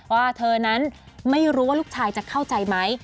ว่าเธอนั้นไม่รู้ว่าลูกชายจะเข้าใจไหม